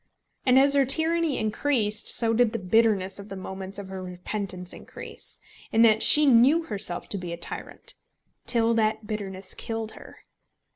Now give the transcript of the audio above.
And as her tyranny increased so did the bitterness of the moments of her repentance increase, in that she knew herself to be a tyrant, till that bitterness killed her.